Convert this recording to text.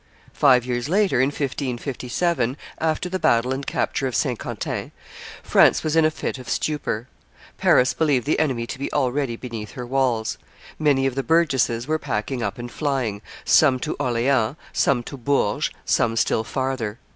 Five years later, in 1557, after the battle and capture of Saint Quentin, France was in a fit of stupor; Paris believed the enemy to be already beneath her walls; many of the burgesses were packing up and flying, some to Orleans, some to Bourges, some still farther.